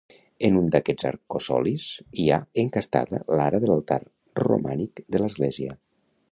En un d'aquests arcosolis hi ha encastada l'ara de l'altar romànic de l'església.